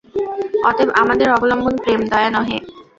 অতএব আমাদের অবলম্বন প্রেম, দয়া নহে।